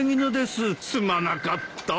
すまなかった。